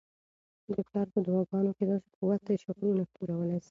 د پلار په دعاګانو کي داسې قوت دی چي غرونه ښورولی سي.